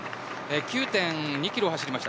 ９．２キロを走りました。